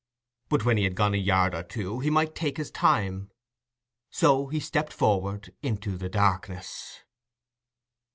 But when he had gone a yard or two, he might take his time. So he stepped forward into the darkness.